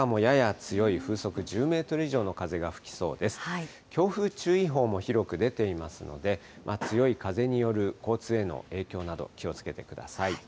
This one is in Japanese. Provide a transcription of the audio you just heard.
強風注意報も広く出ていますので、強い風による交通への影響など、気をつけてください。